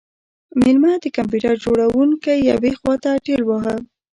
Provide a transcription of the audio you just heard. میلمه د کمپیوټر جوړونکی یوې خواته ټیل واهه